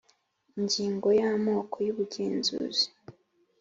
Ingingo ya amoko y ubugenzuzi